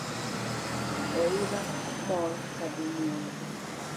Oula mol kadhi mwalo